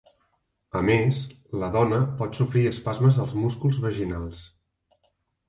A més, la dona pot sofrir espasmes als músculs vaginals.